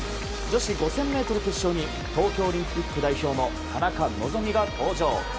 女子５０００ｍ決勝に東京オリンピック代表の田中希実が登場。